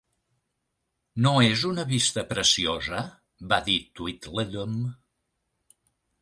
"No és una vista preciosa?" va dir Tweedledum.